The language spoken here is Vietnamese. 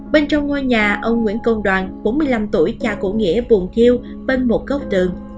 bên trong ngôi nhà ông nguyễn công đoàn bốn mươi năm tuổi cha của nghĩa buồn chiêu bên một góc tường